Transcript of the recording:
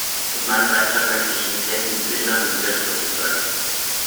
Mit meinem Beitrag möchte ich Ihnen helfen, diese inneren Widersprüche zu erkennen.